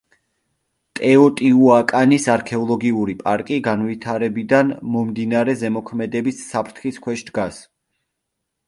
ტეოტიუაკანის არქეოლოგიური პარკი განვითარებიდან მომდინარე ზემოქმედების საფრთხის ქვეშ დგას.